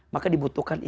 maka dibutuhkan ikhlas